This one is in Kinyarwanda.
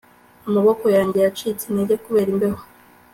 Amaboko yanjye yacitse intege kubera imbeho